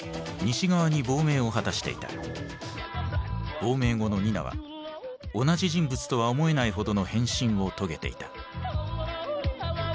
亡命後のニナは同じ人物とは思えないほどの変身を遂げていた。